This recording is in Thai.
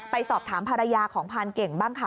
ไปสอบถามภรรยาของพรานเก่งบ้างค่ะ